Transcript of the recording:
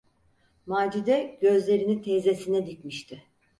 Macide gözlerini teyzesine dikmişti.